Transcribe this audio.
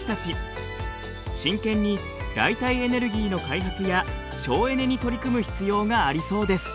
真剣に代替エネルギーの開発や省エネに取り組む必要がありそうです。